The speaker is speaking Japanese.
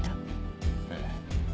ええ。